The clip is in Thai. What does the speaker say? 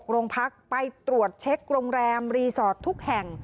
โรงพักไปตรวจเช็คโรงแรมรีสอร์ททุกแห่ง